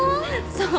そう？